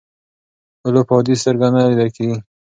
اولو په عادي سترګو نه لیدل کېږي.